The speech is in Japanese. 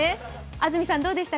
安住さん、どうでした？